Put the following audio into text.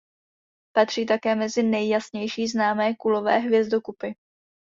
Patří také mezi nejjasnější známé kulové hvězdokupy.